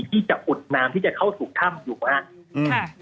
ที่จะอุดน้ำที่จะเข้าสู่ถ้ำอยู่นะครับ